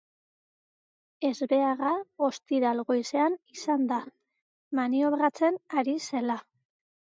Ezbeharra ostiral goizean izan da, maniobratzen ari zela.